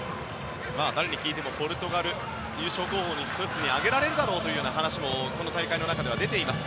誰に聞いてもポルトガルは優勝候補の１つに挙げられるだろうという話もこの大会の中では出ています。